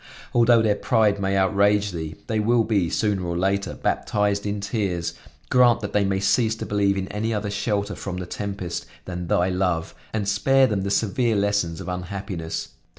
Although their pride may outrage Thee, they will be, sooner or later, baptized in tears; grant that they may cease to believe in any other shelter from the tempest, than Thy love, and spare them the severe lessons of unhappiness.